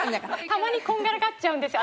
たまにこんがらがっちゃうんですよ